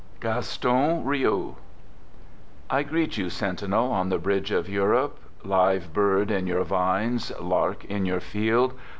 GASTON RIOU I greet you, sentinel, on the bridge of Europe, Live bird in your vines, lark in your field.